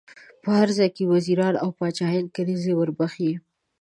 په هر ځای کې وزیران او پاچاهان کنیزي ور بخښي.